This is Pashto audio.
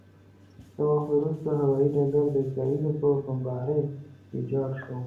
څه وخت وروسته هوايي ډګر د اسرائیلو په بمبارۍ ویجاړ شو.